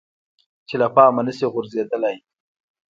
چې له پامه نشي غورځیدلی.